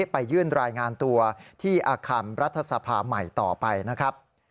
ไปยื่นรายงานตัวที่อาคารรัฐสภาใหม่ต่อไปนะครับ